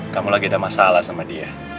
kamu lagi ada masalah sama dia